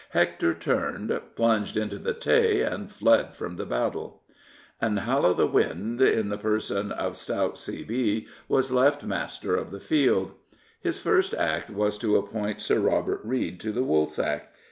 Hector turned, plunged into the Tay and fled from the battle. And Hal o' th' Wynd, in the person of stout C. B., was left master of the field. His first act was to appoint Sir Robert Reid to the Woolsack.